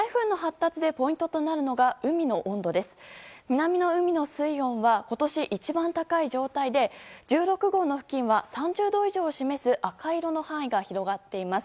南の海の水温は今年一番高い状態で１６号の付近は３０度以上を示す赤色の範囲が広がっています。